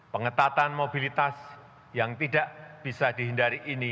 pengetatan mobilitas yang tidak bisa dihindari ini